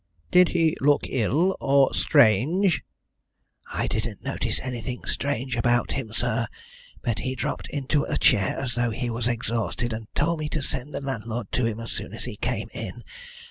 "Did he look ill or strange?" "I didn't notice anything strange about him, sir, but he dropped into a chair as though he was exhausted, and told me to send the landlord to him as soon as he came in.